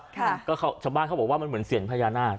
ค่ะก็ชาวบ้านเขาบอกว่ามันเหมือนเซียนพญานาค